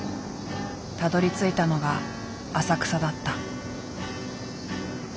たどりついたのが浅草だった。